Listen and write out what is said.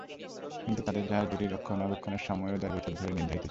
কিন্তু তাদের জাহাজ দুটির রক্ষণাবেক্ষণের সময়ও দেড় বছরের মধ্যে নির্ধারিত ছিল।